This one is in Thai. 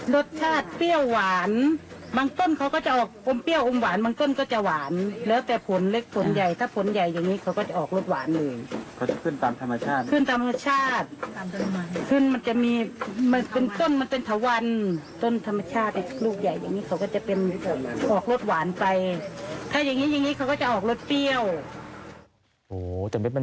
รสชาติเปรี้ยวหวานบางต้นเขาก็จะออกอมเปรี้ยวอมหวานบางต้นก็จะหวานแล้วแต่ผลเล็กผลใหญ่ถ้าผลใหญ่อย่างนี้เขาก็จะออกรสหวานเลยเขาจะขึ้นตามธรรมชาติขึ้นตามธรรมชาติตามธรรมชาติขึ้นมันจะมีมันเป็นต้นมันเป็นทะวันต้นธรรมชาติไอ้ลูกใหญ่อย่างนี้เขาก็จะเป็นออกรสหวานไปถ้าอย่างงี้อย่างงี้เขาก็จะออกรสเปรี้ยว